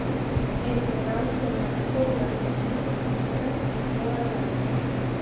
En total se mantuvo durante quince semanas en toda la lista.